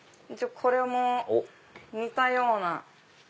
これも似たような。